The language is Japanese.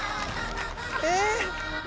えっ。